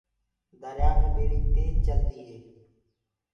دريآ مينٚ ٻيڙي تيج چلدو هي۔